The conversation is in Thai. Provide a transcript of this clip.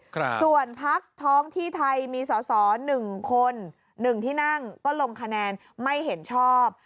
ครับส่วนพักท้องที่ไทยมีสอสอหนึ่งคนหนึ่งที่นั่งก็ลงคะแนนไม่เห็นชอบ